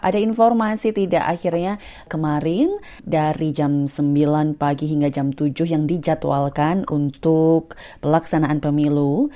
ada informasi tidak akhirnya kemarin dari jam sembilan pagi hingga jam tujuh yang dijadwalkan untuk pelaksanaan pemilu